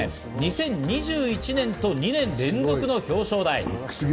２０２０年、２０２１年と２年連続の表彰台。